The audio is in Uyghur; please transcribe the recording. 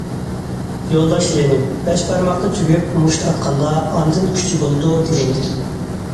يولداش لېنىن: بەش بارماقنى تۈگۈپ مۇشت ئاتقاندا، ئاندىن كۈچى بولىدۇ، دېگەنىدى.